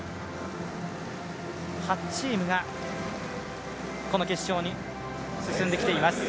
８チームがこの決勝に進んできています。